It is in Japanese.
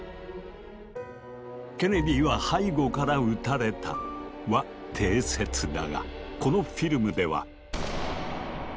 「ケネディは背後から撃たれた」は定説だがこのフィルムでは。